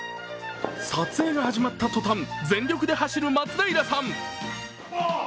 撮影が始まったとたん、全力で走る松平さん。